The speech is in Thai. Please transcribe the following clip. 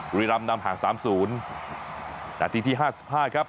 บุรีรำนำห่างสามศูนย์นาทีที่ห้าสิบห้าครับ